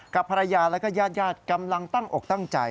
กับภรรยาแล้วก็ญาติกำลังตั้งอกตั้งใจ